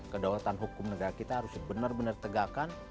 kedaulatan hukum negara kita harus benar benar tegakkan